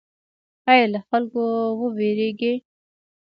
ایا له خلکو ویریږئ؟